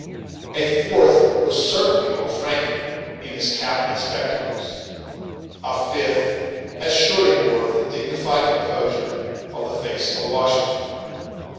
A fourth was certainly old Franklin, in his cap and spectacles. A fifth as surely bore the dignified composure of the face of Washington.